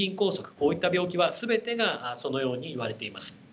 こういった病気は全てがそのように言われています。